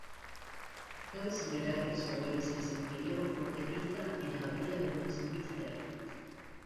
Cabe señalar que su abuelo se desempeñó como teclista en la Abadía de Westminster.